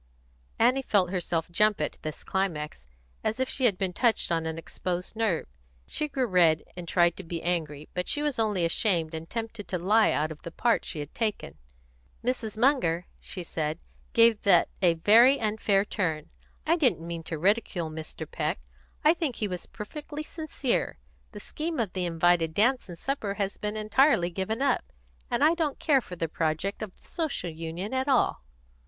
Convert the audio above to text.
Annie felt herself jump at this climax, as if she had been touched on an exposed nerve. She grew red, and tried to be angry, but she was only ashamed and tempted to lie out of the part she had taken. "Mrs. Munger," she said, "gave that a very unfair turn. I didn't mean to ridicule Mr. Peck. I think he was perfectly sincere. The scheme of the invited dance and supper has been entirely given up. And I don't care for the project of the Social Union at all."